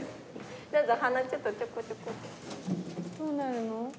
どうなるの？